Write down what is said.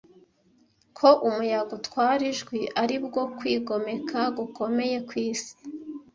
Ko umuyaga utwara ijwi aribwo kwigomeka gukomeye kwisi